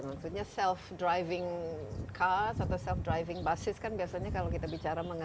maksudnya self driving card atau self driving basis kan biasanya kalau kita bicara mengenai